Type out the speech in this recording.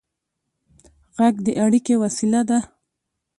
غږ د اړیکې وسیله ده.